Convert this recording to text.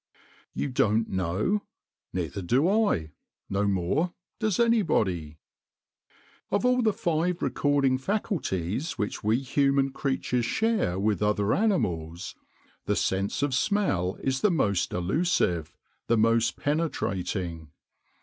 You don't know? Neither do I, no more does anybody. Of all the five recording faculties which we human creatures share with other animals, the sense of Smell is the most elusive, the most penetrating.